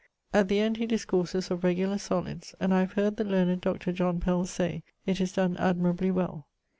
At the end he discourses of regular solids, and I have heard the learned Dr. John Pell say it is donne admirably well.